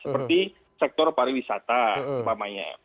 seperti sektor pariwisata terutamanya